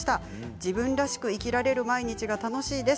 自分らしく生きられる毎日が楽しいです。